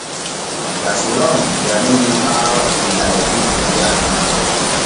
Gasiron yaniri ɓaayo illa e puccu janni.